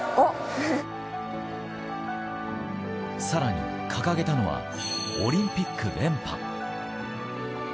さらに掲げたのはオリンピック連覇。